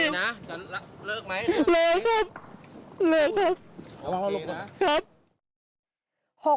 หลายครับ